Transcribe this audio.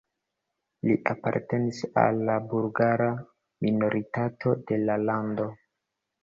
Li apartenis al la bulgara minoritato de la lando.